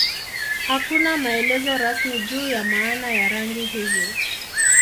Hakuna maelezo rasmi juu ya maana ya rangi hizi.